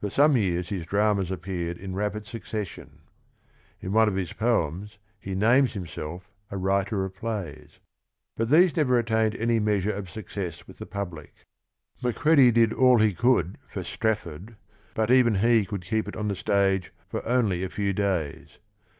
For some years his dramas appeared in rapid succession. In one of his poems, he names himself a "writer of plays." But these never attained any measure of success with the public. Macready did all he could for Strafford but even he .could keep it on the stage for only a few days.